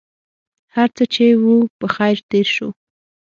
هرڅه چې و په خیر تېر شو.